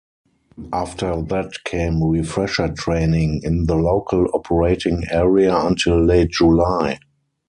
After that came refresher training in the local operating area until late July.